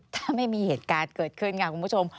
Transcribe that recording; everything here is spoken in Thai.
ถ้าไม่มีเหตุการณ์เกิดขึ้นค่ะคุณผู้ชม